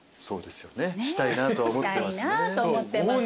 そうですよ。